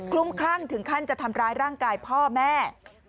ลุ้มคลั่งถึงขั้นจะทำร้ายร่างกายพ่อแม่